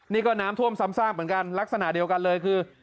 นี่ก็น้ำท่วมซ้ำซากเหมือนกันลักษณะเดียวกันเลยคือ